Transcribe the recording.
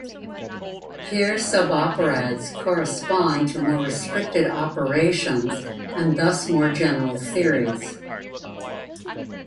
Here suboperads correspond to more restricted operations and thus more general theories.